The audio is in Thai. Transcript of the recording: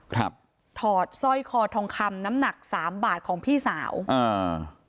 ถอดสร้อยคอทองคำน้ำหนักสามบาทของพี่สาวอ่า